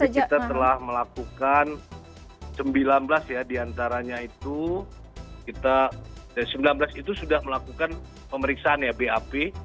jadi kita telah melakukan sembilan belas ya diantaranya itu sembilan belas itu sudah melakukan pemeriksaan ya bap